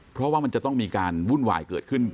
เพราะว่ามันจะต้องมีการวุ่นวายเกิดขึ้น